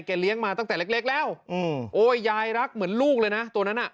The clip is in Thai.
เลี้ยงมาตั้งแต่เล็กแล้วโอ้ยยายรักเหมือนลูกเลยนะตัวนั้นอ่ะ